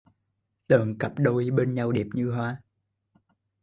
Từng cặp đôi bên nhau đẹp như hoa